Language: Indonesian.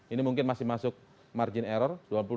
ini mungkin masih masuk margin error